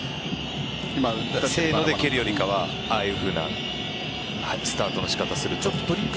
せーので蹴るよりかはああいうようなスタートをする。